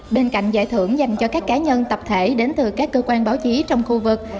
bên cạnh giải thưởng dành cho các cá nhân tập thể đến từ các cơ quan báo chí trong khu vực